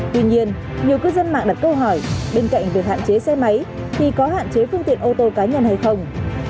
tuy nhiên nhiều cư dân mạng đặt câu hỏi bên cạnh việc hạn chế xe máy thì có hạn chế phương tiện ô tô cá nhân hay không